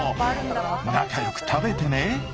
仲良く食べてね。